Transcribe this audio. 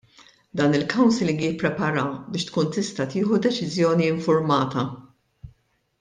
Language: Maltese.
Dan il-Counselling jippreparaha biex tkun tista' tieħu deċiżjoni infurmata.